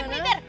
pegang tuh oke